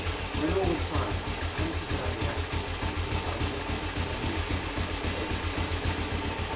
When all was silent they hunted round the attic, but could find nothing that was unusual to such places.